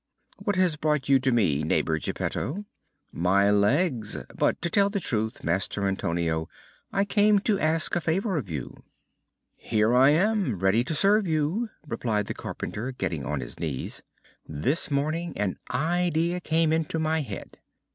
"What has brought you to me, neighbor Geppetto?" "My legs. But to tell the truth. Master Antonio, I came to ask a favor of you." "Here I am, ready to serve you," replied the carpenter, getting on his knees. "This morning an idea came into my head."